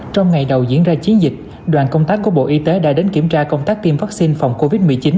trong ngày đầu diễn ra chiến dịch đoàn công tác của bộ y tế đã đến kiểm tra công tác tiêm vaccine phòng covid một mươi chín